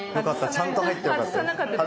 ちゃんと入ってよかったです。